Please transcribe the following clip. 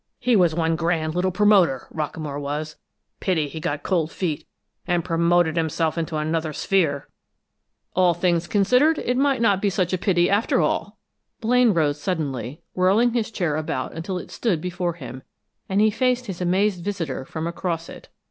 He was one grand little promoter, Rockamore was; pity he got cold feet, and promoted himself into another sphere!" "All things considered, it may not be such a pity, after all!" Blaine rose suddenly, whirling his chair about until it stood before him, and he faced his amazed visitor from across it.